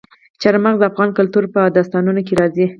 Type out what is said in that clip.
چار مغز د افغان کلتور په داستانونو کې راځي.